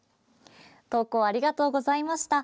投稿ありがとうございました。